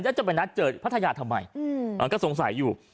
แล้วจะไปนัดเจอพัทยาทำไมก็สงสัยอยู่